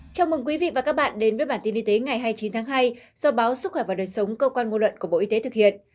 chào mừng quý vị và các bạn đến với bản tin y tế ngày hai mươi chín tháng hai do báo sức khỏe và đời sống cơ quan ngôn luận của bộ y tế thực hiện